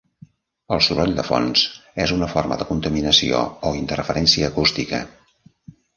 El soroll de fons és una forma de contaminació o interferència acústica.